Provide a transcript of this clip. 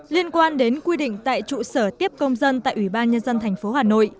liên quan đến quy định tại trụ sở tiếp công dân tại ủy ban nhân dân tp hà nội